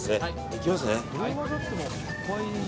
いきますね。